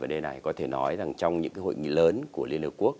về vấn đề này có thể nói rằng trong những cái hội nghị lớn của liên hợp quốc